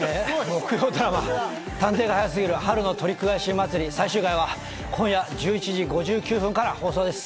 木曜ドラマ『探偵が早すぎる春のトリック返し祭り』最終回は今夜１１時５９分から放送です。